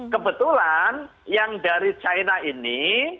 kebetulan yang dari china ini